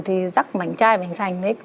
thì rắc mảnh chai mảnh sành